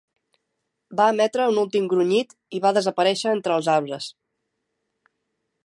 Va emetre un últim grunyit i va desaparèixer entre els arbres.